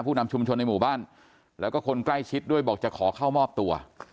นำชุมชนในหมู่บ้านแล้วก็คนใกล้ชิดด้วยบอกจะขอเข้ามอบตัว